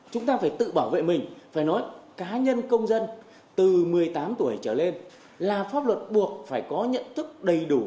chúng ta phải tự bảo vệ mình phải nói cá nhân công dân từ một mươi tám tuổi trở lên là pháp luật buộc phải có nhận thức đầy đủ